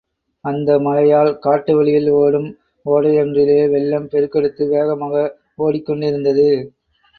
அந்த மழையால் காட்டு வழியில் ஒடும் ஓடையொன்றிலே வெள்ளம் பெருக்கெடுத்து வேகமாக ஒடிக் கொண்டிருந்தது.